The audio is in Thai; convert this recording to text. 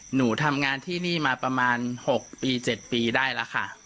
หนูทำงานที่นี่มาประมาณ๖ปี๗ปีได้แล้วค่ะ